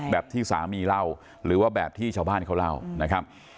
แบบที่สามีเล่าหรือว่าแบบที่ชาวบ้านเขาเล่านะครับ